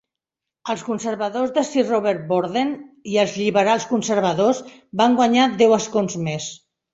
Els conservadors de Sir Robert Borden i els lliberals-conservadors van guanyar deu escons més.